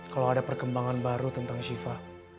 kalo ada perkembangan baru tentang syifa